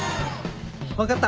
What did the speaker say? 分かった。